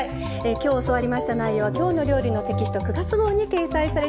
今日教わりました内容は「きょうの料理」のテキスト９月号に掲載されています。